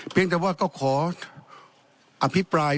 เพียงแต่ว่าก็ขออภิปราย